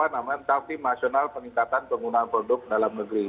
namanya tafsi nasional peningkatan penggunaan produk dalam negeri